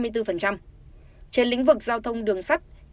trên lĩnh vực giao thông đường sắt